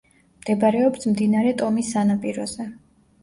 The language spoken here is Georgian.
მდებარეობს მდინარე ტომის სანაპიროზე.